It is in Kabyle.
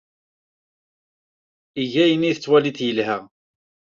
Eg ayen tettwaliḍ yelha.